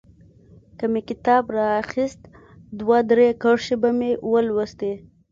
که مې کتاب رااخيست دوه درې کرښې به مې ولوستلې.